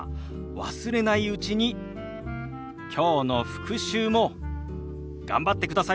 忘れないうちにきょうの復習も頑張ってくださいね。